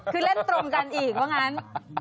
คือเล่นตรงกันอีกเพราะฉะนั้น